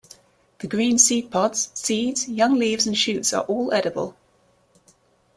The green seed pods, seeds, young leaves and shoots are all edible.